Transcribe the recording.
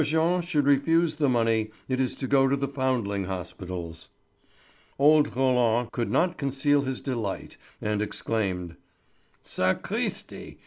Jean should refuse the money, it is to go to the foundling hospitals." Old Roland could not conceal his delight and exclaimed: "Sacristi!